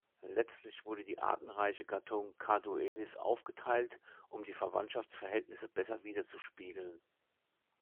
Letztlich wurde die artenreiche Gattung "Carduelis" aufgeteilt, um die Verwandtschaftsverhältnisse besser widerzuspiegeln.